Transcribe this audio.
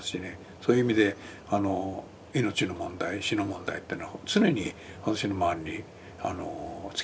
そういう意味で命の問題死の問題ってのは常に私の周りに付きまとっていた感じがあります。